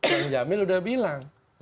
bang jamil udah bilang